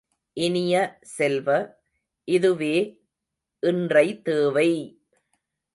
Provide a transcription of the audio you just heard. இனிய செல்வ, இதுவே இன்றை தேவை!